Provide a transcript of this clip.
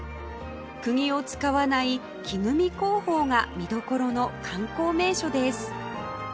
釘を使わない木組み工法が見どころの観光名所です